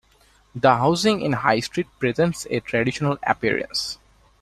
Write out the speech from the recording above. The housing in High Street presents a traditional appearance.